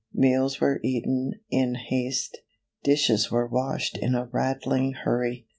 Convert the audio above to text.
Meals were eaten in haste. Dishes were washed in a rattling hurry.